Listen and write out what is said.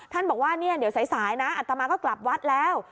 ท่านบอกว่าเนี่ยเดี๋ยวสายนะอัตมาก็กลับวัดแล้ว